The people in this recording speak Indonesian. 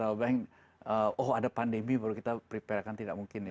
kalau di digital bank oh ada pandemi baru kita perapakan tidak mungkin ya